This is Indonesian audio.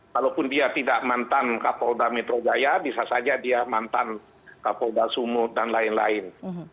kalaupun dia tidak mantan kapolda metro jaya bisa saja dia mantan kapolda sumut dan lain lain